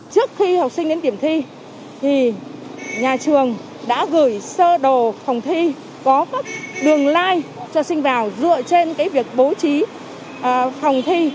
trước khi học sinh đến điểm thi thì nhà trường đã gửi sơ đồ phòng thi có các đường line cho sinh vào dựa trên việc bố trí phòng thi